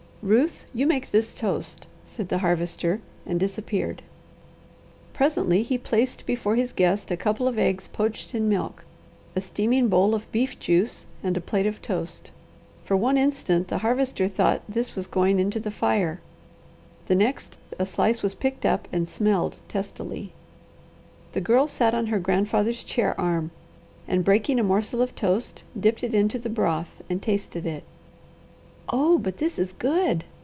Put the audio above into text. "Ruth, you make this toast," said the Harvester and disappeared. Presently he placed before his guest a couple of eggs poached in milk, a steaming bowl of beef juice, and a plate of toast. For one instant the Harvester thought this was going into the fire, the next a slice was picked up and smelled testily. The Girl sat on her grandfather's chair arm, and breaking a morsel of toast dipped it into the broth and tasted it. "Oh but that is good!"